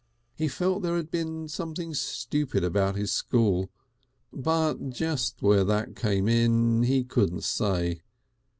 He felt there had been something stupid about his school, but just where that came in he couldn't say.